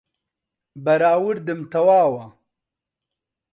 بەراوردم تەواوە